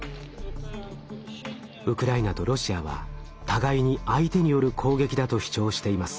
ウクライナとロシアは互いに相手による攻撃だと主張しています。